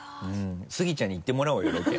スギちゃんに行ってもらおうよロケ。